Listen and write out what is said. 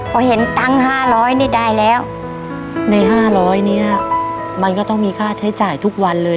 พอเห็นตังค์ห้าร้อยนี่ได้แล้วในห้าร้อยเนี้ยมันก็ต้องมีค่าใช้จ่ายทุกวันเลย